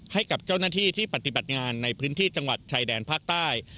ให้กับเจ้าหน้าที่ที่ปฏิบัติงานในพื้นที่จังหวัดชายแดนภาคใต้